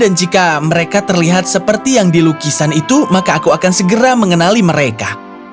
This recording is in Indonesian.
dan jika mereka terlihat seperti yang di lukisan itu maka aku akan segera mengenali mereka